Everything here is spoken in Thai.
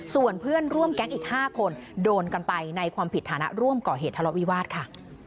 ส่วนเพื่อนร่วมแก๊งอีก๕คนโดนกันไปในความผิดฐานะร่วมก่อเหตุทะเลาะวิวาสค่ะ